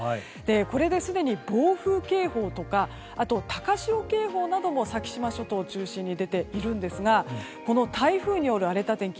これですでに暴風警報とかあと、高潮警報なども先島諸島を中心に出ているんですが台風による荒れた天気